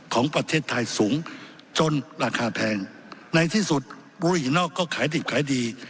ของประเทศไทยสูงจนราคาแพงในที่สุดบุรีนอกก็ขายดิบขายดี